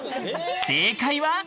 正解は。